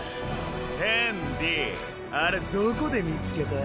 ヘンディあれどこで見つけた？